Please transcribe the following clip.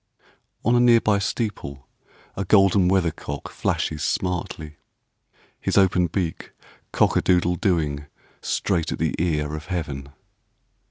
On a near by steeple, A golden weather cock flashes smartly, His open beak "Cock a doodle dooing" Straight at the ear of Heaven.